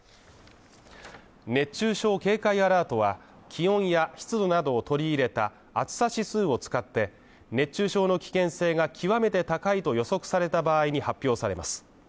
熱中症警戒アラートは、気温や湿度などを取り入れた、暑さ指数を使って熱中症の危険性が極めて高いと予測された場合に発表されます。